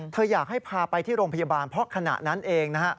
อยากให้พาไปที่โรงพยาบาลเพราะขณะนั้นเองนะฮะ